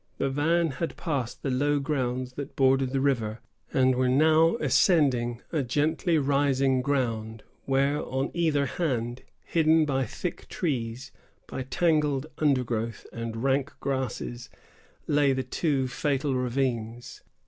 The van had passed the low grounds that bordered the river, and were now ascending a gently rising ground, where, on either hand, hidden by thick trees, by tangled undergrowth and rank grasses, lay the two fatal ravines.